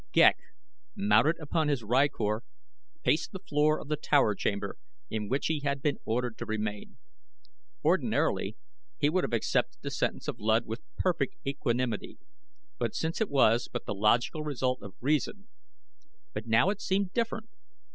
Ghek, mounted upon his rykor, paced the floor of the tower chamber in which he had been ordered to remain. Ordinarily he would have accepted the sentence of Luud with perfect equanimity, since it was but the logical result of reason; but now it seemed different.